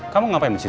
kamu ngapain disini